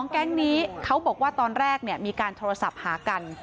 แก๊งนี้เขาบอกว่าตอนแรกมีการโทรศัพท์หากัน